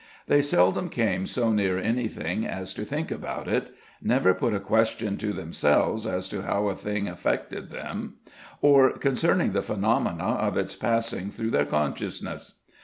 They seldom came so near anything as to think about it, never put a question to themselves as to how a thing affected them, or concerning the phenomena of its passage through their consciousness!